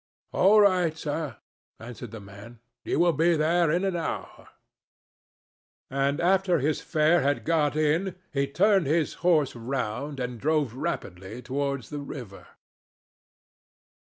"All right, sir," answered the man, "you will be there in an hour," and after his fare had got in he turned his horse round and drove rapidly towards the river.